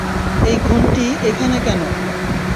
এই ঘণ্টি এখানে কেন?